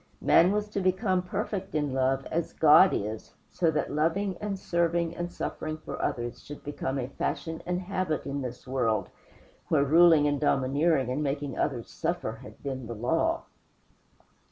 Man was to become perfect in love as God is, so that loving and serving and suffering for others should become a fashion and habit in this world, where ruling and domineering and making others suffer had been the law.